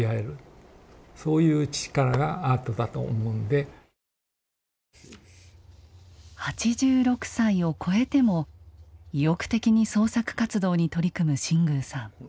根源的な８６歳を超えても意欲的に創作活動に取り組む新宮さん。